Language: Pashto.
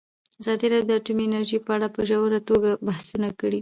ازادي راډیو د اټومي انرژي په اړه په ژوره توګه بحثونه کړي.